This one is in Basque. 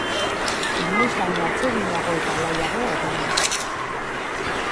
Inoiz baino atseginago eta alaiago egongo zara.